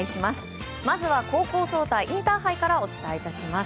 まずは高校総体インターハイからお伝えします。